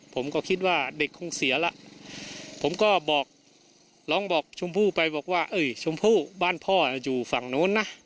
ผมก็ลองบอกชมพู่ไปบอกว่าชมพู่บ้านพ่ออยู่ฝั่งโน้นน่ะ